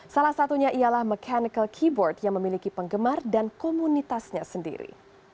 salah satunya ialah mechanical keyboard yang memiliki penggemar dan komunitasnya sendiri